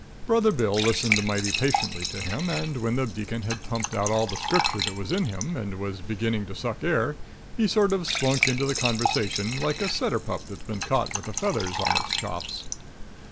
Brother Bill listened mighty patiently to him, and when the Deacon had pumped out all the Scripture that was in him, and was beginning to suck air, he sort of slunk into the conversation like a setter pup that's been caught with the feathers on its chops.